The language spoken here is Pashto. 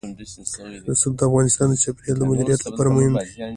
رسوب د افغانستان د چاپیریال د مدیریت لپاره مهم دي.